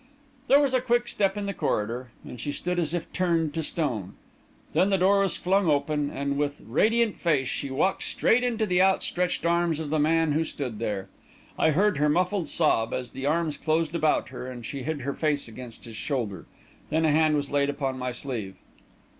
There was a quick step in the corridor, and she stood as if turned to stone. Then the door was flung open, and, with radiant face, she walked straight into the outstretched arms of the man who stood there. I heard her muffled sob, as the arms closed about her and she hid her face against his shoulder; then a hand was laid upon my sleeve.